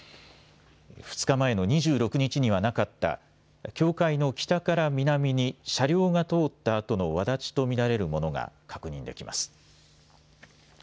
２日前の２６日にはなかった、境界の北から南に車両が通った跡のわだちと見られるものが確認できます。